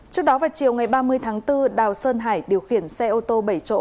trước đó vào chiều ngày ba mươi tháng bốn đào sơn hải điều khiển xe ô tô bảy chỗ